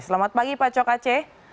selamat pagi pak cok aceh